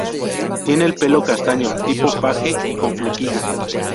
Tiene el pelo castaño, tipo paje y con flequillo.